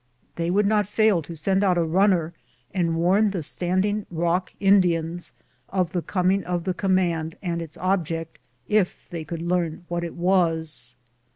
They would not fail to send out a runner and warn the Standing Eock Indians of the coming of the command and its object, if they could learn what it was.